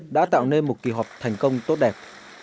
đã tạo nên một kỳ họp thành công tốt đẹp